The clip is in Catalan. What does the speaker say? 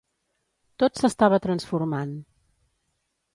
Tot s'estava transformant